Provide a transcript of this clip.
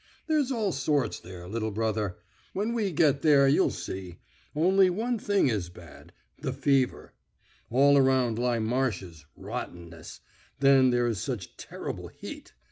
There's all sorts there, little brother. When we get there you'll see. Only one thing is bad the fever. All around lie marshes, rottenness; then there is such terrible heat.